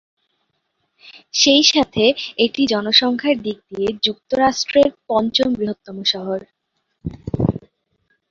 সেই সাথে এটি জনসংখ্যার দিক দিয়ে যুক্তরাষ্ট্রের পঞ্চম বৃহত্তম শহর।